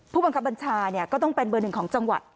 ผู้บังคับบัญชาก็ต้องเป็นเบอร์หนึ่งของจังหวัด